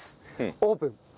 オープン。